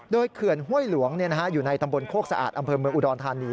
โดยเขื่อนห้วยหลวงอยู่ในตำบลโคกสะอาดอำเภอเมืองอุดรธานี